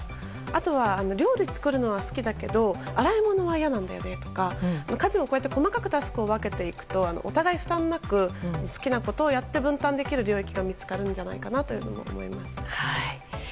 あとは料理作るのは好きだけど洗い物は嫌なんだよねとか家事を超えて細かくタスクを分けていくとお互い負担なく好きなことをやって分担できる領域が見つかるんじゃないかなと思います。